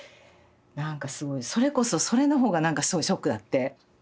なんかすごいそれこそそれの方がすごいショックだって。